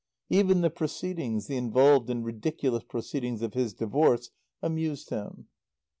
Even the preceedings, the involved and ridiculous proceedings of his divorce, amused him.